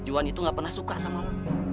juhan itu gak pernah suka sama lo